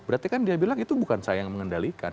dan dia bilang itu bukan saya yang mengendalikan